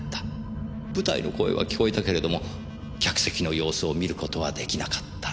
舞台の声は聞こえたけれども客席の様子を見る事は出来なかった。